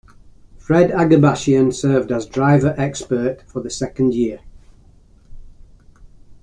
Fred Agabashian served as "driver expert" for the second year.